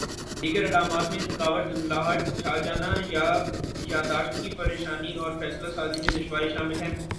دیگر علامات میں تھکاوٹ دھندلاہٹ چھا جانا یادداشت کی پریشانی اور فیصلہ سازی میں دشواری شامل ہیں